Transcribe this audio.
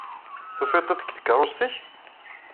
Tufid-t-id deg tkeṛṛust-nnek?